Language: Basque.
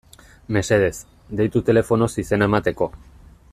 Mesedez, deitu telefonoz izena emateko.